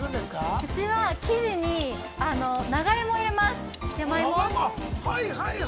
うちは生地に長芋を入れます。